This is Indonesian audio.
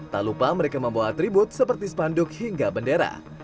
tak lupa mereka membawa atribut seperti spanduk hingga bendera